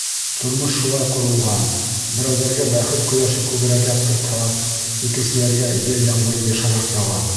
Тормош шулай ҡоролған: берәүҙәргә «бәхет ҡояшы» күберәк яҡтыртһа, икенселәргә «ел-ямғыры» йышыраҡ яуа.